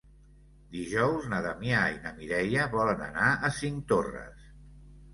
Dijous na Damià i na Mireia volen anar a Cinctorres.